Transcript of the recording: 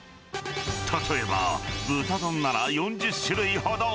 例えば、豚丼なら４０種類ほど。